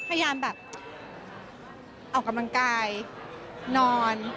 พยายามแบบออกกำลังกายนอน